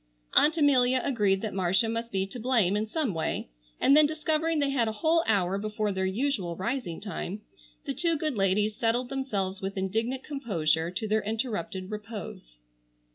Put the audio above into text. Aunt Amelia agreed that Marcia must be to blame in some way, and then discovering they had a whole hour before their usual rising time, the two good ladies settled themselves with indignant composure to their interrupted repose.